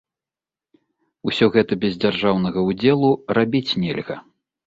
Усё гэта без дзяржаўнага ўдзелу рабіць нельга.